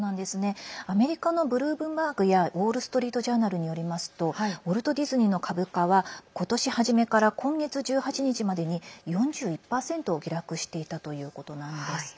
アメリカのブルームバーグやウォール・ストリート・ジャーナルによりますとウォルト・ディズニーの株価は今年初めから今月１８日までに４１％下落していたということなんです。